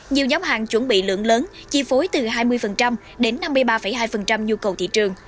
nhiều nhóm hàng chuẩn bị lượng lớn chi phối từ hai mươi đến năm mươi ba hai nhu cầu thị trường